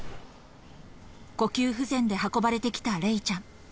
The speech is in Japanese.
呼吸不全で運ばれてきたれいちゃん。